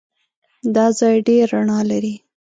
دا ځای ډېر رڼا لري.